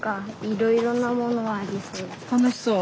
楽しそう？